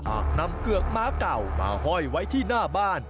นำเกือกม้าเก่ามาห้อยไว้ที่หน้าบ้าน